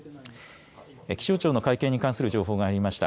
気象庁の会見に関する情報が入りました。